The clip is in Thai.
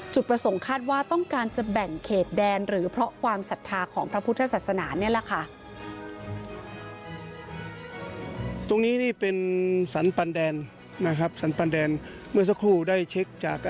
จุดประสงค์คาดว่าต้องการจะแบ่งเขตแดนหรือเพราะความศรัทธาของพระพุทธศาสนานี่แหละค่ะ